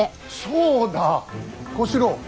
そうだ小四郎。